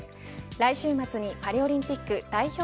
来週末にパリオリンピック代表